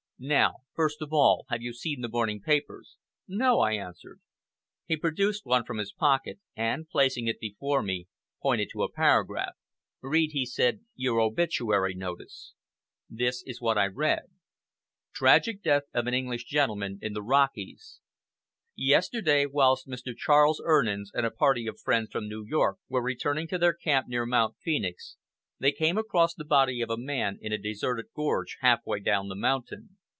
Now, first of all, have you seen the morning papers?" "No!" I answered. He produced one from his pocket, and, placing it before me, pointed to a paragraph. "Read," he said, "your obituary notice." This is what I read: "TRAGIC DEATH OF AN ENGLISH GENTLEMAN IN THE ROCKIES "Yesterday, whilst Mr. Charles Urnans and a party of friends from New York were returning to their camp near Mount Phoenix, they came across the body of a man in a deserted gorge half way down the mountain.